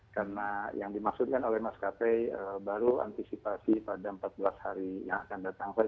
karena yang dimaksudkan oleh mas kt baru antisipasi pada empat belas hari yang akan datang